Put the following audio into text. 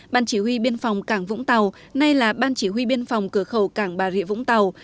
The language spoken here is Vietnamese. ban chỉ huy biên phòng cảng vũng tàu nay là ban chỉ huy biên phòng cửa khẩu cảng bà rịa vũng tàu